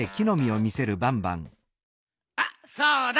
あっそうだ！